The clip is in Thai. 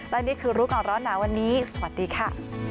และนี่คือรู้ก่อนร้อนหนาวันนี้สวัสดีค่ะ